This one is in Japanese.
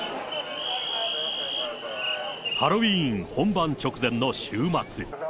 ハロウィーン本番直前の週末。